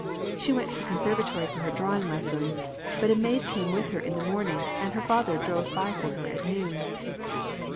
She went to the conservatory for her drawing lessons, but a maid came with her in the morning, and her father drove by for her at noon."